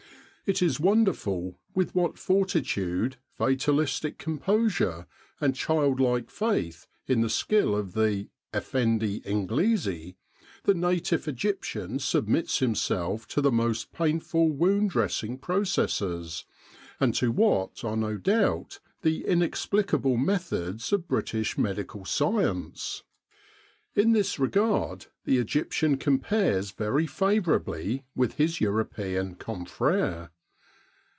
It is wonderful with what fortitude, fatalistic composure, and child like faith in the skill of the " Effendi Inglesi," the native Egyptian submits himself to the most painful wound dressing processes, and to what are no doubt the in explicable methods of British medical science. In this regard the Egyptian compares very favourably with his European confrere.